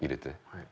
はい。